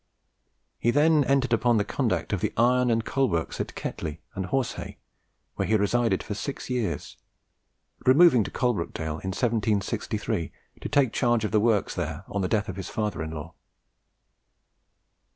He then entered upon the conduct of the iron and coal works at Ketley and Horsehay, where he resided for six years, removing to Coalbrookdale in 1763, to take charge of the works there, on the death of his father in law.